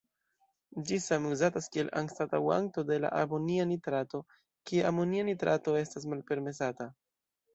Ĝi same uzatas kiel anstataŭanto de la amonia nitrato, kie amonia nitrato estas malpermesata.